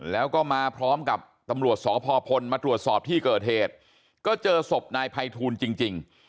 แล้วก็มาพร้อมกับตำรวจสพพลมาตรวจสอบที่เกิดเหตุก็เจอศพนายภัยทูลจริง